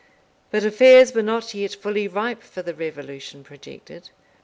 But affairs were not yet fully ripe for the revolution projected.